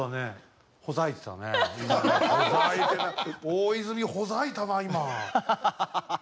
大泉ほざいたなあ